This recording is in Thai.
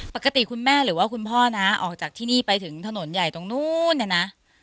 ปกติคุณแม่หรือว่าคุณพ่อนะออกจากที่นี่ไปถึงถนนใหญ่ตรงนู้นเนี่ยนะ